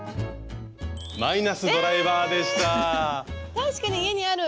確かに家にある。